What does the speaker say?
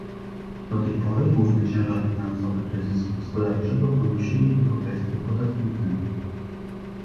Do tej pory główny ciężar finansowy kryzysu gospodarczego ponosili europejscy podatnicy